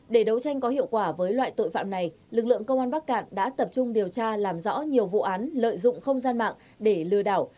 để đấu tranh có hiệu quả với loại tội phạm này lực lượng công an bắc cạn đã tập trung điều tra làm rõ nhiều vụ án lợi dụng không gian mạng để lừa đảo